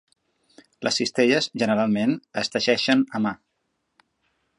Les cistelles generalment es teixeixen a mà.